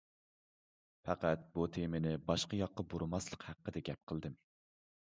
پەقەت بۇ تېمىنى باشقا ياققا بۇرىماسلىق ھەققىدە گەپ قىلدىم.